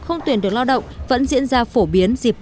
không tuyển được lao động vẫn diễn ra phổ biến